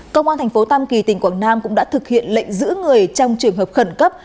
công an thành phố tam kỳ tỉnh quảng nam cũng đã thực hiện lệnh giữ người trong trường hợp khẩn cấp